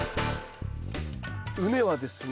畝はですね